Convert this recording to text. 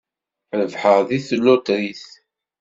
Rebḥeɣ deg tlutrit.